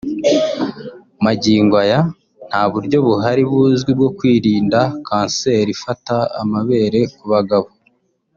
Magingo ya nta buryo buhari buzwi bwo kwirinda kanseri ifata amabere ku bagabo